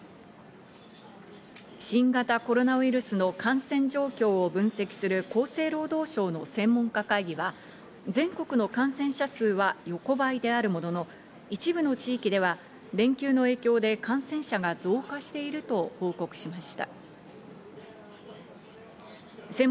新型コロナウイルスの感染状況を分析する厚生労働省の専門家会議は、全国の感染者数は横ばいであるものの、一部の地域では連休の影響で、感染者が増加していると報告しました。